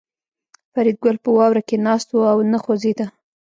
فریدګل په واوره کې ناست و او نه خوځېده